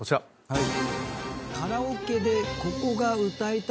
はい。